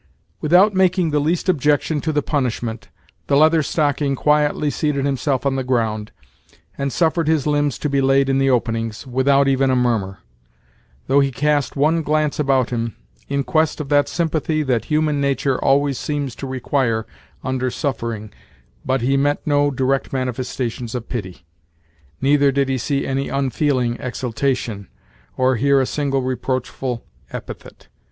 Without making the least objection to the punishment, the Leather Stocking quietly seated himself on the ground, and suffered his limbs to be laid in the openings, without even a murmur; though he cast one glance about him, in quest of that sympathy that human nature always seems to require under suffering but he met no direct manifestations of pity, neither did he see any unfeeling exultation, or hear a single reproachful epithet.